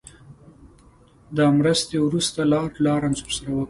دا مرستې وروسته لارډ لارنس ورسره وکړې.